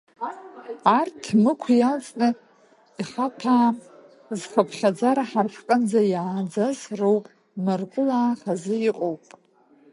Арҭ Мықә иалҵны ихаҭәаам зхыԥхьаӡара ҳара ҳҟынӡа иааӡаз роуп, мыркәылаа хазы иҟоуп.